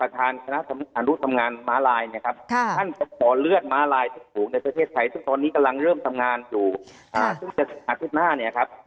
ท่านจะป่อเลือดม้าลายเล็ศไทยต้อนนี้กำลังเริ่มทำงานอยู่งามอาทิตย์หน้า